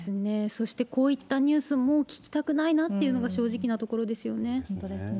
そして、こういったニュースもう聞きたくないなっていうのが正直なところ本当ですね。